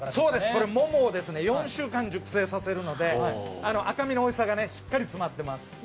これモモを４週間熟成させるので赤身のおいしさがしっかり詰まってます。